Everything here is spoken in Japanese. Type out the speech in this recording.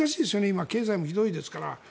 今、経済も難しいですから。